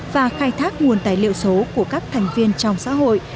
và khai thác nguồn tài liệu số của các thành viên trong xã hội